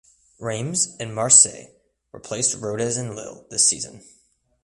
Reims and Marseille replaced Rodez and Lille this season.